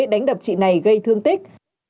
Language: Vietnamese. đánh đập chị này gây thương tích